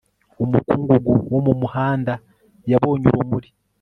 Umukungugu wo mumuhanda yabonye urumuri